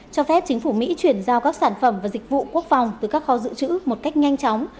cho phép chính phủ mỹ chuyển giao các sản phẩm và dịch vụ quốc phòng từ các kho dự trữ một cách nhanh chóng